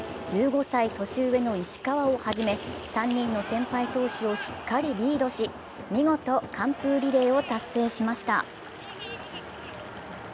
１５歳年上の石川をはじめ、３人の先輩投手をしっかりリードし、見事、完封リレーを達成しました。